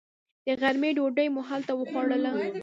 د غرمې ډوډۍ مو هلته وخوړله.